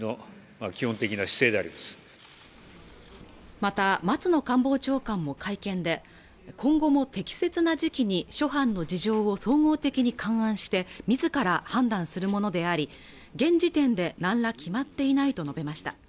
また松野官房長官も会見で今後も適切な時期に諸般の事情を総合的に勘案して自ら判断するものであり現時点でなんら決まっていないと述べました